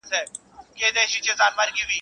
اره، اره، يوم پر غاړه.